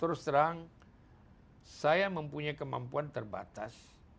terus terang saya mempunyai kemampuan terbatas